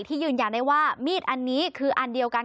ยืนยันได้ว่ามีดอันนี้คืออันเดียวกัน